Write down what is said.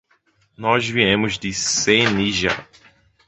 Nós viemos de Senija.